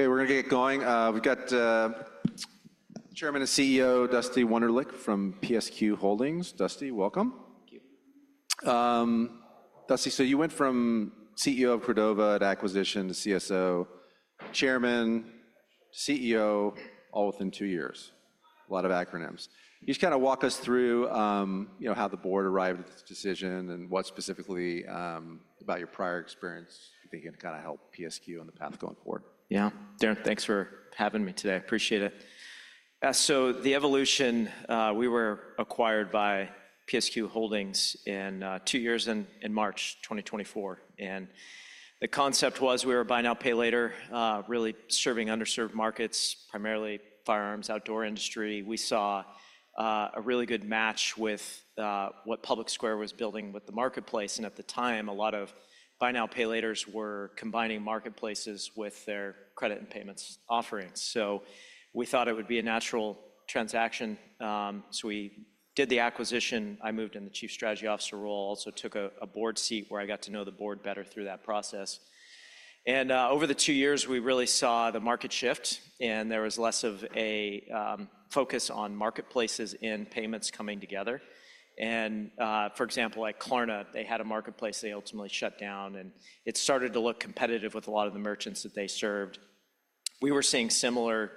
Okay, we're gonna get going. We've got Chairman and CEO Dusty Wunderlich from PSQ Holdings. Dusty, welcome. Thank you. Dusty, you went from CEO of Credova to acquisition to CSO, Chairman, CEO, all within two years. A lot of acronyms. Can you just kinda walk us through, you know, how the board arrived at this decision, and what specifically, about your prior experience do you think it kinda helped PSQ on the path going forward? Yeah. Darren, thanks for having me today. I appreciate it. The evolution, we were acquired by PSQ Holdings in two years in March 2024, and the concept was we were buy now, pay later, really serving underserved markets, primarily firearms, outdoor industry. We saw a really good match with what PublicSquare was building with the marketplace, and at the time, a lot of buy now, pay laters were combining marketplaces with their credit and payments offerings. We thought it would be a natural transaction, so we did the acquisition. I moved into the Chief Strategy Officer role, also took a board seat where I got to know the board better through that process. Over the two years, we really saw the market shift, and there was less of a focus on marketplaces and payments coming together. For example, like Klarna, they had a marketplace they ultimately shut down, and it started to look competitive with a lot of the merchants that they served. We were seeing similar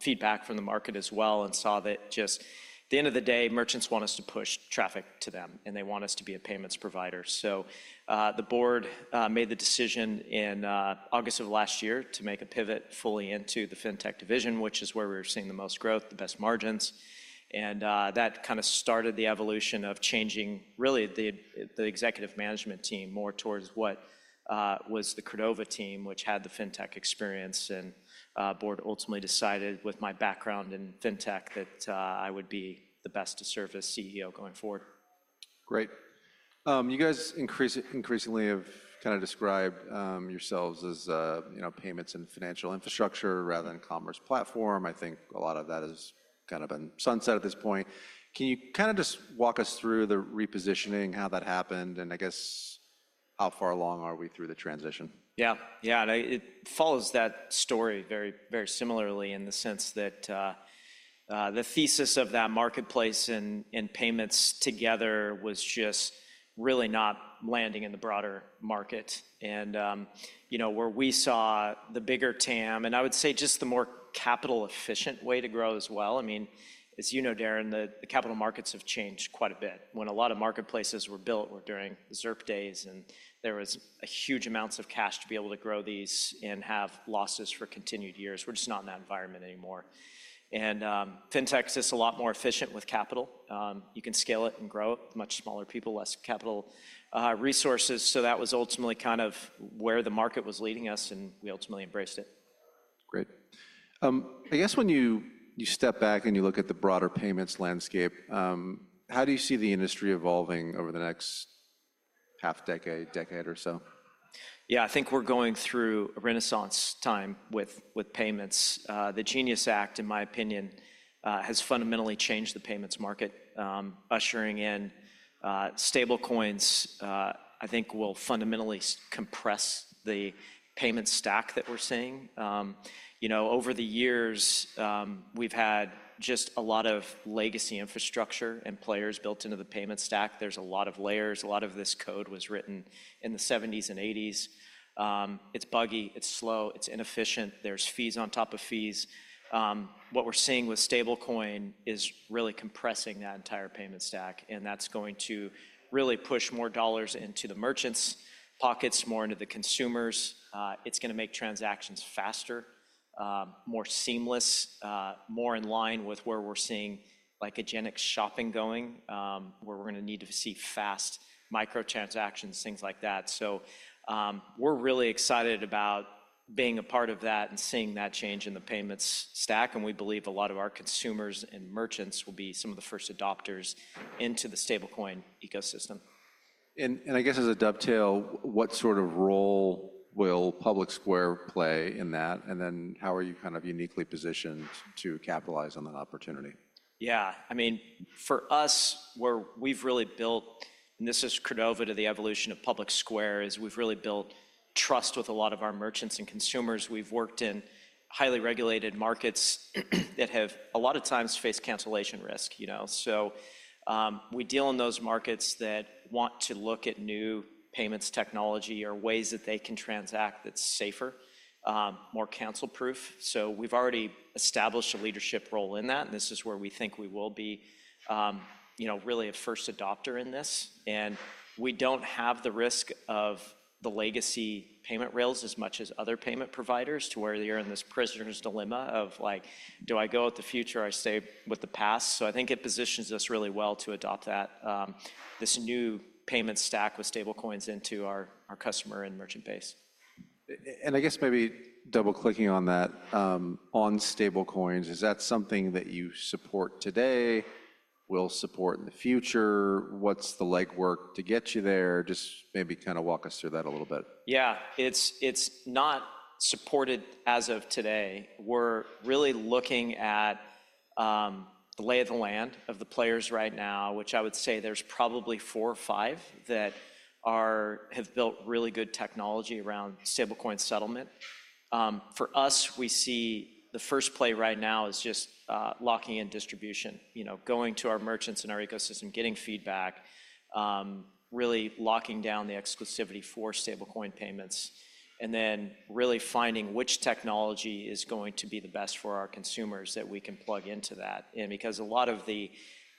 feedback from the market as well and saw that just at the end of the day, merchants want us to push traffic to them, and they want us to be a payments provider. The board made the decision in August of last year to make a pivot fully into the fintech division, which is where we were seeing the most growth, the best margins. that kinda started the evolution of changing really the executive management team more towards what was the Credova team, which had the fintech experience. board ultimately decided with my background in fintech that I would be the best to serve as CEO going forward. Great. You guys increasingly have kinda described yourselves as, you know, payments and financial infrastructure rather than commerce platform. I think a lot of that is kind of been sunset at this point. Can you kinda just walk us through the repositioning, how that happened, and I guess how far along are we through the transition? Yeah. Yeah, it follows that story very, very similarly in the sense that the thesis of that marketplace and payments together was just really not landing in the broader market and, you know, where we saw the bigger TAM, and I would say just the more capital efficient way to grow as well. I mean, as you know, Darren, the capital markets have changed quite a bit. When a lot of marketplaces were built during the ZIRP days, and there was huge amounts of cash to be able to grow these and have losses for continued years. We're just not in that environment anymore. Fintech's just a lot more efficient with capital. You can scale it and grow it, much smaller people, less capital, resources. that was ultimately kind of where the market was leading us, and we ultimately embraced it. Great. I guess when you step back and you look at the broader payments landscape, how do you see the industry evolving over the next half decade or so? Yeah. I think we're going through a renaissance time with payments. The GENIUS Act, in my opinion, has fundamentally changed the payments market, ushering in stablecoins. I think it will fundamentally compress the payment stack that we're seeing. You know, over the years, we've had just a lot of legacy infrastructure and players built into the payment stack. There's a lot of layers. A lot of this code was written in the 1970s and 1980s. It's buggy, it's slow, it's inefficient. There's fees on top of fees. What we're seeing with stablecoins is really compressing that entire payment stack, and that's going to really push more dollars into the merchants' pockets, more into the consumers'. It's gonna make transactions faster, more seamless, more in line with where we're seeing, like, a Gen Z shopping going, where we're gonna need to see fast micro-transactions, things like that. We're really excited about being a part of that and seeing that change in the payments stack, and we believe a lot of our consumers and merchants will be some of the first adopters into the stablecoin ecosystem. I guess as a dovetail, what sort of role will PublicSquare play in that? How are you kind of uniquely positioned to capitalize on that opportunity? Yeah. I mean, for us, we've really built, and this is Credova to the evolution of PublicSquare, we've really built trust with a lot of our merchants and consumers. We've worked in highly regulated markets that have a lot of times faced cancellation risk, you know. So, we deal in those markets that want to look at new payments technology or ways that they can transact that's safer, more cancel-proof. So we've already established a leadership role in that, and this is where we think we will be, you know, really a first adopter in this. We don't have the risk of the legacy payment rails as much as other payment providers to where you're in this prisoner's dilemma of, like, do I go with the future or I stay with the past? I think it positions us really well to adopt that, this new payment stack with stablecoins into our customer and merchant base. I guess maybe double-clicking on that, on stablecoins, is that something that you support today, will support in the future? What's the legwork to get you there? Just maybe kinda walk us through that a little bit. Yeah. It's not supported as of today. We're really looking at the lay of the land of the players right now, which I would say there's probably four or five that have built really good technology around stablecoin settlement. For us, we see the first play right now is just locking in distribution. You know, going to our merchants in our ecosystem, getting feedback, really locking down the exclusivity for stablecoin payments, and then really finding which technology is going to be the best for our consumers that we can plug into that. And because a lot of the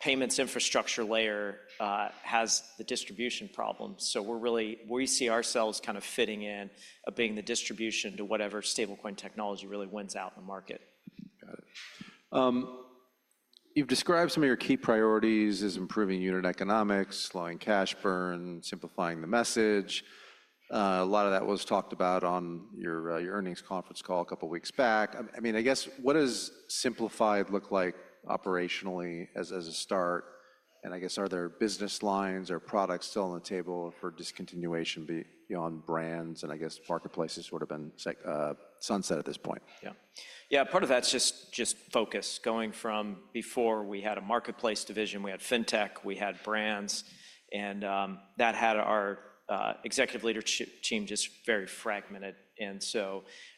payments infrastructure layer has the distribution problem, so we see ourselves kind of fitting in, being the distribution to whatever stablecoin technology really wins out in the market. Got it. You've described some of your key priorities as improving unit economics, slowing cash burn, simplifying the message. A lot of that was talked about on your earnings conference call a couple weeks back. I mean, I guess, what does simplified look like operationally as a start? I guess, are there business lines or products still on the table for discontinuation beyond brands and I guess marketplaces would have been sunset at this point? Yeah. Yeah, part of that's just focus. Going from before we had a marketplace division, we had fintech, we had brands, and that had our executive leadership team just very fragmented.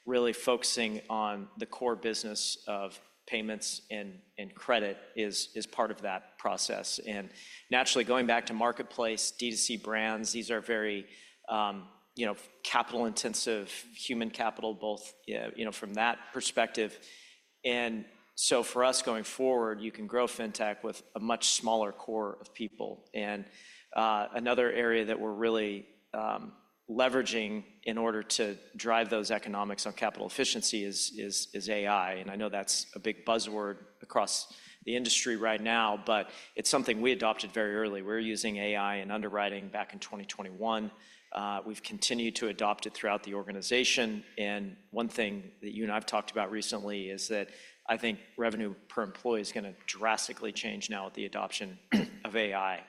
Really focusing on the core business of payments and credit is part of that process. Naturally, going back to marketplace, D2C brands, these are very you know, capital intensive, human capital, both you know, from that perspective. For us going forward, you can grow fintech with a much smaller core of people. Another area that we're really leveraging in order to drive those economics on capital efficiency is AI. I know that's a big buzzword across the industry right now, but it's something we adopted very early. We were using AI in underwriting back in 2021. We've continued to adopt it throughout the organization. One thing that you and I have talked about recently is that I think revenue per employee is gonna drastically change now with the adoption of AI.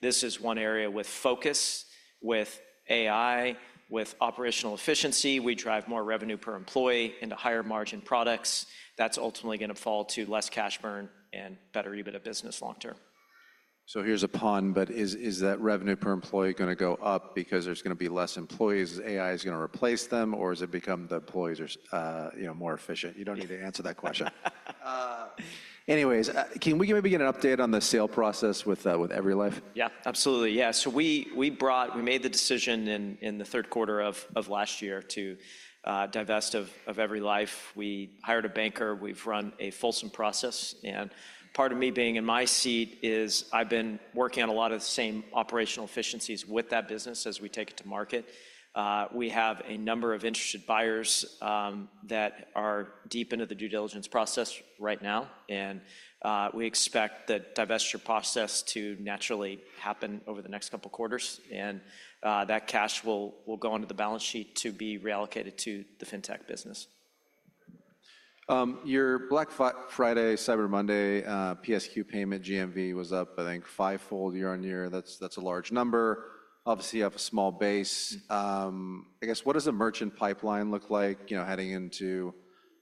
This is one area with focus, with AI, with operational efficiency. We drive more revenue per employee into higher margin products. That's ultimately gonna fall to less cash burn and better EBIT of business long term. Here's a pun, but is that revenue per employee gonna go up because there's gonna be less employees as AI is gonna replace them? Or has it become the employees are you know more efficient? You don't need to answer that question. Anyways, can we maybe get an update on the sale process with EveryLife? Yeah, absolutely. Yeah. We made the decision in the third quarter of last year to divest of EveryLife. We hired a banker. We've run a fulsome process. Part of me being in my seat is I've been working on a lot of the same operational efficiencies with that business as we take it to market. We have a number of interested buyers that are deep into the due diligence process right now, and we expect the divestiture process to naturally happen over the next couple quarters. That cash will go onto the balance sheet to be reallocated to the fintech business. Your Black Friday, Cyber Monday, PSQ Payments GMV was up, I think, fivefold year-over-year. That's a large number. Obviously, you have a small base. I guess, what does the merchant pipeline look like, you know, heading into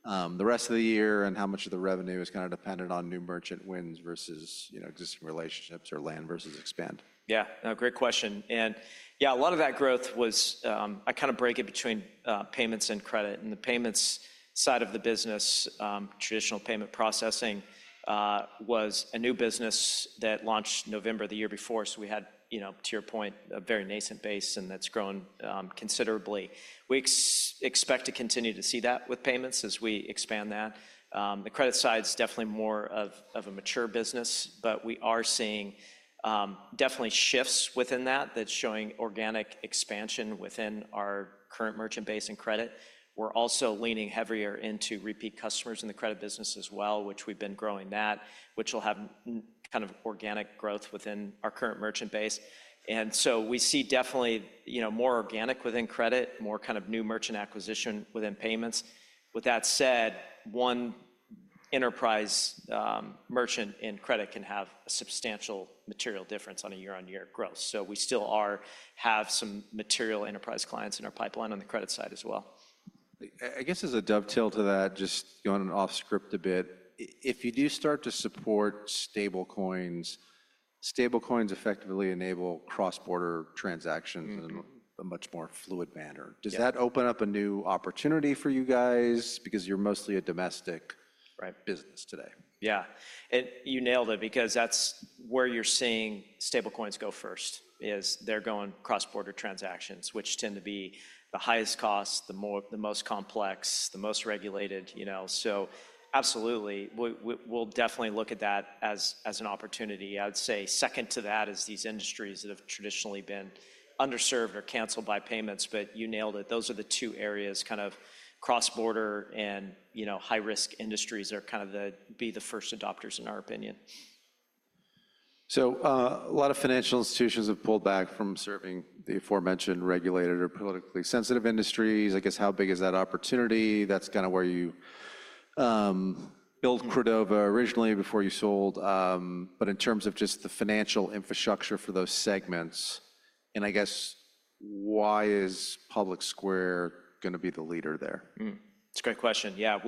the rest of the year, and how much of the revenue is kind of dependent on new merchant wins versus, you know, existing relationships or land versus expand? Yeah. No, great question. Yeah, a lot of that growth was. I kind of break it between payments and credit. In the payments side of the business, traditional payment processing was a new business that launched November the year before. So we had, you know, to your point, a very nascent base, and that's grown considerably. We expect to continue to see that with payments as we expand that. The credit side's definitely more of a mature business, but we are seeing definitely shifts within that that's showing organic expansion within our current merchant base and credit. We're also leaning heavier into repeat customers in the credit business as well, which we've been growing that, which will have kind of organic growth within our current merchant base. We see definitely, you know, more organic within credit, more kind of new merchant acquisition within payments. With that said, one enterprise merchant in credit can have a substantial material difference on a year-on-year growth. We still have some material enterprise clients in our pipeline on the credit side as well. I guess as a dovetail to that, just going off script a bit, if you do start to support stablecoins effectively enable cross-border transactions. Mm-hmm In a much more fluid manner. Yeah. Does that open up a new opportunity for you guys? Because you're mostly a domestic- Right business today. Yeah. You nailed it because that's where you're seeing stablecoins go first, is they're going cross-border transactions, which tend to be the highest cost, the most complex, the most regulated, you know. So absolutely, we we'll definitely look at that as an opportunity. I would say second to that is these industries that have traditionally been underserved or canceled by payments. But you nailed it. Those are the two areas, kind of cross-border and, you know, high-risk industries are kind of the first adopters in our opinion. A lot of financial institutions have pulled back from serving the aforementioned regulated or politically sensitive industries. I guess, how big is that opportunity? That's kinda where you built Credova originally before you sold. In terms of just the financial infrastructure for those segments. I guess why is PublicSquare gonna be the leader there? It's a great question. Yeah.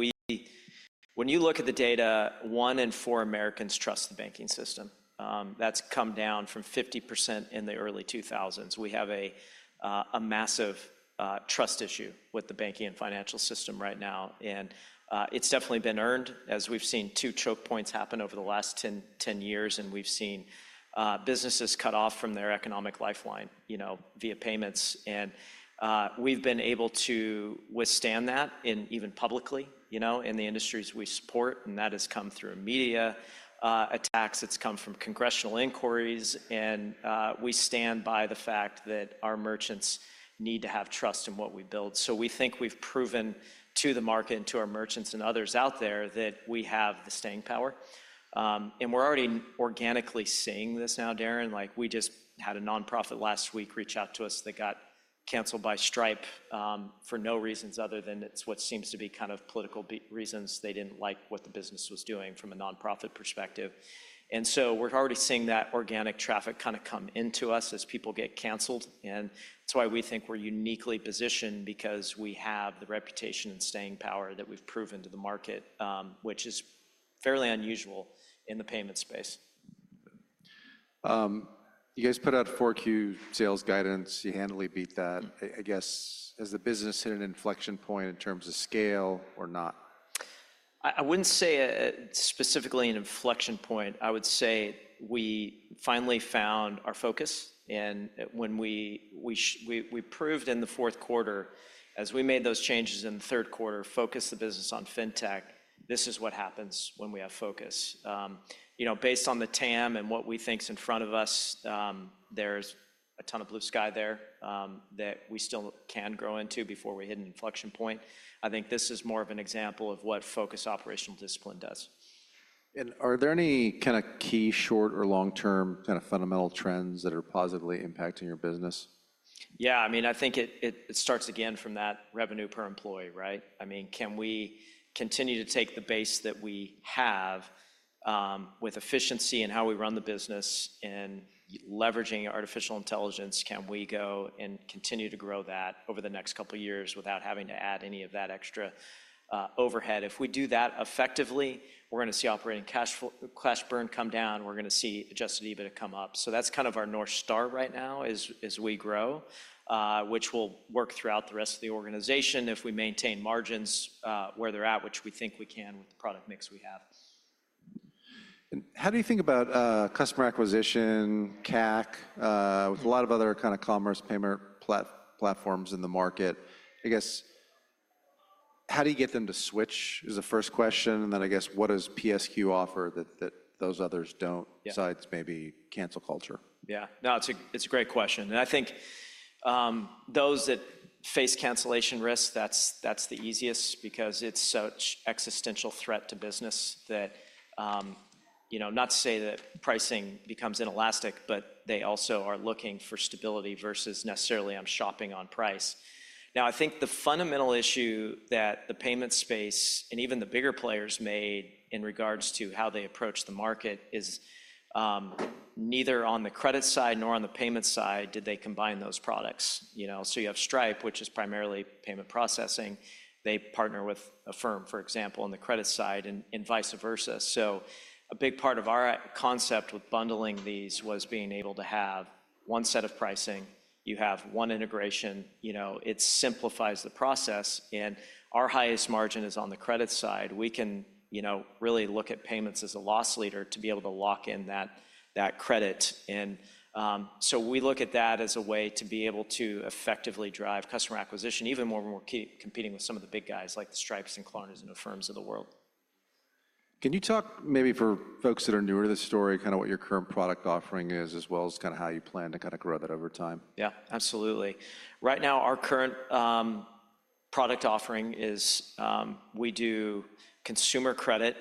When you look at the data, one in four Americans trust the banking system. That's come down from 50% in the early 2000s. We have a massive trust issue with the banking and financial system right now, and it's definitely been earned as we've seen 2 choke points happen over the last 10 years, and we've seen businesses cut off from their economic lifeline, you know, via payments. We've been able to withstand that in even publicly, you know, in the industries we support, and that has come through media attacks. It's come from congressional inquiries, and we stand by the fact that our merchants need to have trust in what we build. We think we've proven to the market and to our merchants and others out there that we have the staying power. We're already organically seeing this now, Darren. Like, we just had a nonprofit last week reach out to us that got canceled by Stripe, for no reasons other than it's what seems to be kind of political reasons. They didn't like what the business was doing from a nonprofit perspective. We're already seeing that organic traffic kinda come into us as people get canceled, and that's why we think we're uniquely positioned because we have the reputation and staying power that we've proven to the market, which is fairly unusual in the payment space. You guys put out Q4 sales guidance. You handily beat that. I guess, has the business hit an inflection point in terms of scale or not? I wouldn't say specifically an inflection point. I would say we finally found our focus and when we proved in the fourth quarter, as we made those changes in the third quarter to focus the business on fintech. This is what happens when we have focus. You know, based on the TAM and what we think is in front of us, there's a ton of blue sky there that we still can grow into before we hit an inflection point. I think this is more of an example of what focus and operational discipline does. Are there any kinda key short or long-term kinda fundamental trends that are positively impacting your business? Yeah. I mean, I think it starts again from that revenue per employee, right? I mean, can we continue to take the base that we have with efficiency in how we run the business and leveraging artificial intelligence, can we go and continue to grow that over the next couple years without having to add any of that extra overhead? If we do that effectively, we're gonna see operating cash burn come down. We're gonna see Adjusted EBITDA come up. That's kind of our North Star right now as we grow, which will work throughout the rest of the organization if we maintain margins where they're at, which we think we can with the product mix we have. How do you think about customer acquisition, CAC, with a lot of other kinda commerce payment platforms in the market? I guess, how do you get them to switch, is the first question, and then I guess what does PSQ offer that those others don't besides maybe cancel culture? Yeah. No, it's a great question. I think those that face cancellation risk, that's the easiest because it's such existential threat to business that you know, not to say that pricing becomes inelastic, but they also are looking for stability versus necessarily I'm shopping on price. Now, I think the fundamental issue that the payment space and even the bigger players made in regards to how they approach the market is neither on the credit side nor on the payment side did they combine those products. You know? You have Stripe, which is primarily payment processing. They partner with Affirm, for example, on the credit side and vice versa. A big part of our concept with bundling these was being able to have one set of pricing. You have one integration. You know, it simplifies the process, and our highest margin is on the credit side. We can, you know, really look at payments as a loss leader to be able to lock in that credit. We look at that as a way to be able to effectively drive customer acquisition even more when we're competing with some of the big guys like Stripe, Klarna, and Affirm. Can you talk maybe for folks that are newer to the story, kinda what your current product offering is, as well as kinda how you plan to kinda grow that over time? Yeah. Absolutely. Right now, our current product offering is we do consumer credit,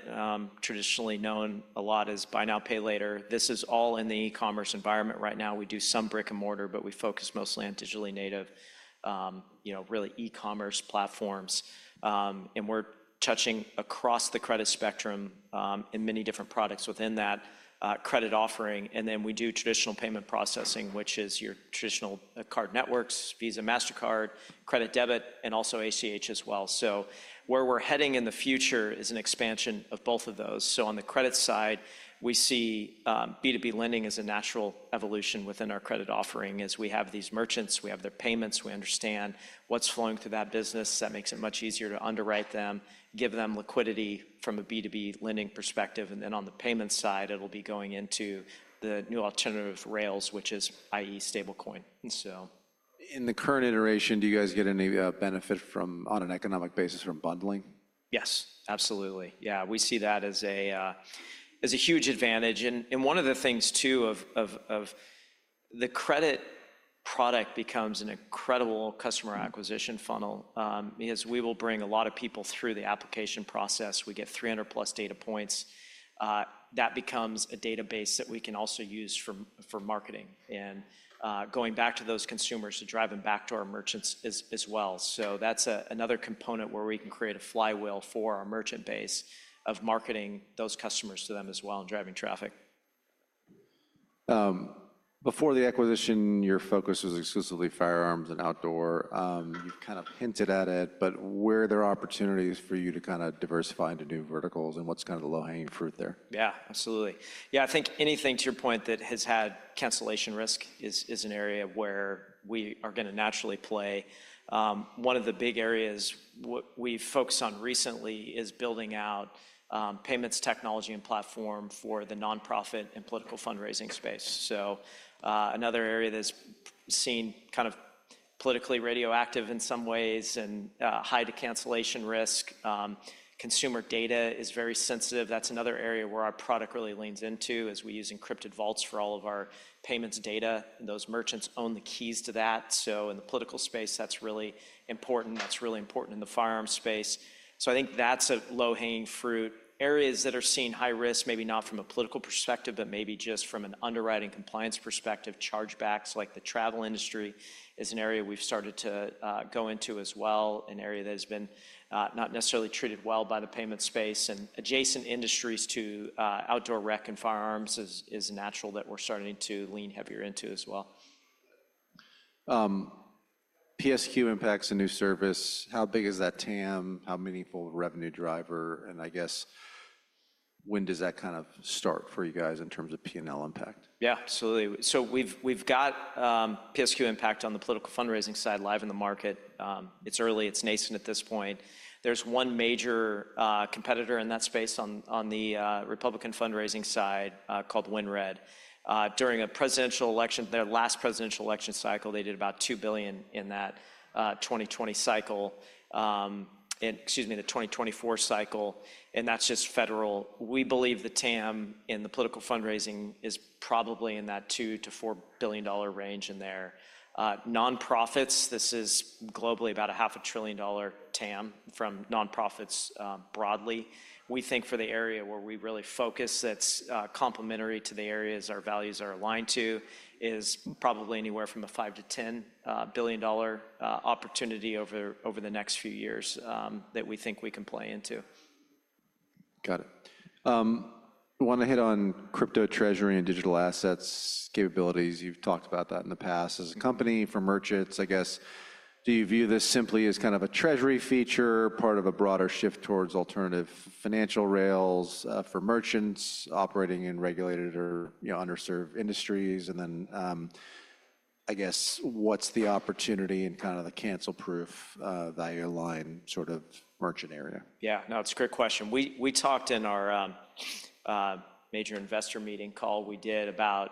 traditionally known a lot as Buy Now, Pay Later. This is all in the e-commerce environment right now. We do some brick-and-mortar, but we focus mostly on digitally native, you know, really e-commerce platforms. We're touching across the credit spectrum, in many different products within that, credit offering. We do traditional payment processing, which is your traditional, card networks, Visa, Mastercard, credit, debit, and also ACH as well. Where we're heading in the future is an expansion of both of those. On the credit side, we see, B2B lending as a natural evolution within our credit offering as we have these merchants, we have their payments, we understand what's flowing through that business. That makes it much easier to underwrite them, give them liquidity from a B2B lending perspective. On the payment side, it'll be going into the new alternative rails, which is i.e., stablecoin. In the current iteration, do you guys get any benefit from, on an economic basis, from bundling? Yes. Absolutely. Yeah. We see that as a huge advantage. One of the things too of the credit product becomes an incredible customer acquisition funnel, because we will bring a lot of people through the application process. We get 300+ data points. That becomes a database that we can also use for marketing and going back to those consumers to drive them back to our merchants as well. That's another component where we can create a flywheel for our merchant base of marketing those customers to them as well and driving traffic. Before the acquisition, your focus was exclusively firearms and outdoor. You've kind of hinted at it, but where there are opportunities for you to kinda diversify into new verticals and what's kind of the low-hanging fruit there? Yeah, absolutely. Yeah, I think anything, to your point, that has had cancellation risk is an area where we are gonna naturally play. One of the big areas we've focused on recently is building out payments technology and platform for the nonprofit and political fundraising space. Another area that's seen kind of politically radioactive in some ways and high to cancellation risk. Consumer data is very sensitive. That's another area where our product really leans into, is we use encrypted vaults for all of our payments data, and those merchants own the keys to that. In the political space, that's really important. That's really important in the firearms space. I think that's a low-hanging fruit. Areas that are seeing high risk, maybe not from a political perspective, but maybe just from an underwriting compliance perspective, chargebacks like the travel industry is an area we've started to go into as well, an area that has been not necessarily treated well by the payment space. Adjacent industries to outdoor rec and firearms is natural that we're starting to lean heavier into as well. PSQ Impact's a new service. How big is that TAM? How meaningful of a revenue driver? I guess when does that kind of start for you guys in terms of P&L impact? Yeah, absolutely. We've got PSQ Impact on the political fundraising side live in the market. It's early. It's nascent at this point. There's one major competitor in that space on the Republican fundraising side called WinRed. During a presidential election, their last presidential election cycle, they did about $2 billion in that 2020 cycle. Excuse me, the 2024 cycle, and that's just federal. We believe the TAM in the political fundraising is probably in that $2-$4 billion range in there. Nonprofits, this is globally about a half a trillion dollar TAM from nonprofits broadly. We think for the area where we really focus that's complementary to the areas our values are aligned to is probably anywhere from a $5 billion-$10 billion opportunity over the next few years that we think we can play into. Got it. Wanna hit on crypto treasury and digital assets capabilities. You've talked about that in the past as a company for merchants. I guess, do you view this simply as kind of a treasury feature, part of a broader shift towards alternative financial rails, for merchants operating in regulated or, you know, underserved industries? I guess, what's the opportunity in kinda the cancel-proof, value line sort of merchant area? Yeah. No, it's a great question. We talked in our major investor meeting call we did about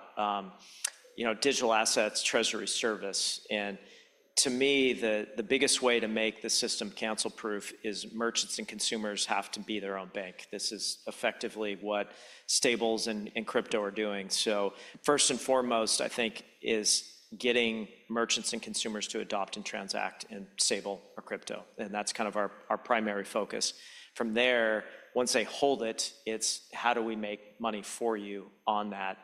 you know, digital assets treasury service. To me, the biggest way to make the system cancel-proof is merchants and consumers have to be their own bank. This is effectively what stables and crypto are doing. First and foremost, I think, is getting merchants and consumers to adopt and transact in stable or crypto, and that's kind of our primary focus. From there, once they hold it's how do we make money for you on that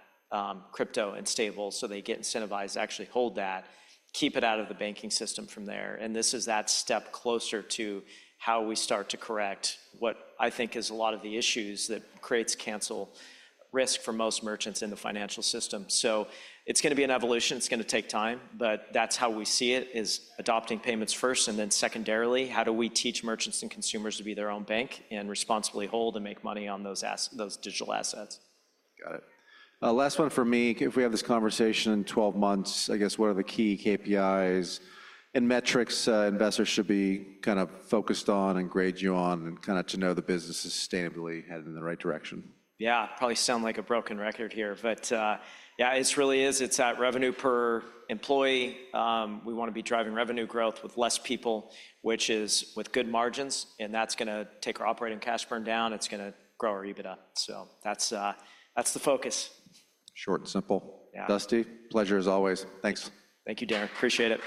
crypto and stable so they get incentivized to actually hold that, keep it out of the banking system from there. This is that step closer to how we start to correct what I think is a lot of the issues that creates cancel risk for most merchants in the financial system. It's gonna be an evolution. It's gonna take time, but that's how we see it, is adopting payments first, and then secondarily, how do we teach merchants and consumers to be their own bank and responsibly hold and make money on those those digital assets. Got it. Last one from me. If we have this conversation in 12 months, I guess, what are the key KPIs and metrics investors should be kind of focused on and grade you on and kinda to know the business is sustainably headed in the right direction? I probably sound like a broken record here, but yeah, it really is. It's at revenue per employee. We wanna be driving revenue growth with less people, which is with good margins, and that's gonna take our operating cash burn down. It's gonna grow our EBITDA. That's the focus. Short and simple. Yeah. Dusty, pleasure as always. Thanks. Thank you, Darren. Appreciate it.